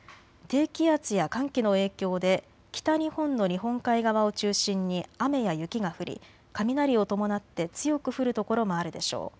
低気圧や寒気の影響で北日本の日本海側を中心に雨や雪が降り、雷を伴って強く降る所もあるでしょう。